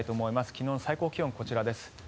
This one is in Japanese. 昨日の最高気温、こちらです。